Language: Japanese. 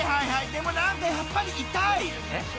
でも何かやっぱり痛い！］